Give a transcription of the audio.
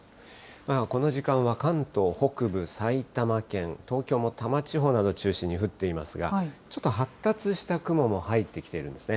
この時間は関東北部、埼玉県、東京も多摩地方などを中心に降っていますが、ちょっと発達した雲も入ってきているんですね。